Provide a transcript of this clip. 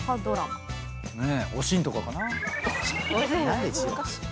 『おしん』とかかな？